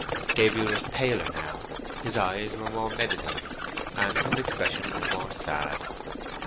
Gabriel was paler now. His eyes were more meditative, and his expression was more sad.